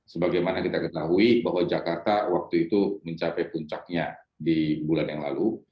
sebagaimana kita ketahui bahwa jakarta waktu itu mencapai puncaknya di bulan yang lalu